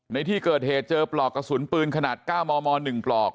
ในที่เกิดเหตุเจอปลอกกระสุนปืนขนาด๙มม๑ปลอก